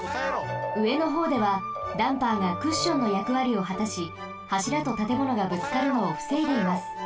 うえのほうではダンパーがクッションのやくわりをはたしはしらとたてものがぶつかるのをふせいでいます。